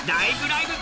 ライブ！」